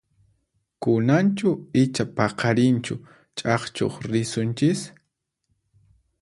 Kunanchu icha paqarinchu chakchuq risunchis?